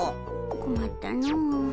こまったの。